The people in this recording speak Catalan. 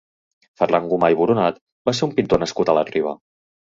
Ferran Gomà i Boronat va ser un pintor nascut a la Riba.